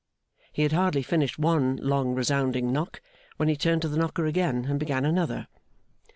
He had hardly finished one long resounding knock, when he turned to the knocker again and began another.